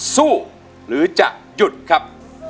สู้หรือจะหยุดครับ